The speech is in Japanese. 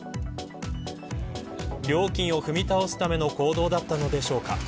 料金を踏み倒すための行動だったのでしょうか。